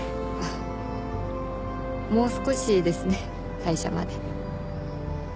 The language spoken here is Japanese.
もう少しですね退社まで。